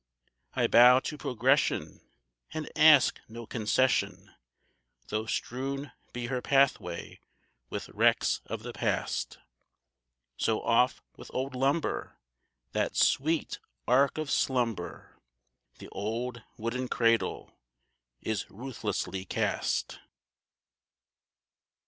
I bow to Progression and ask no concession, Though strewn be her pathway with wrecks of the past; So off with old lumber, that sweet ark of slumber, The old wooden cradle, is ruthlessly cast.